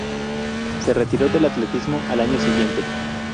Se retiró del atletismo al año siguiente.